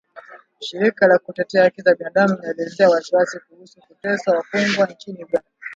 shirika la kutetea haki za binadamu inaelezea wasiwasi kuhusu kuteswa wafungwa nchini Uganda